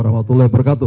wa rahmatullah wabarakatuh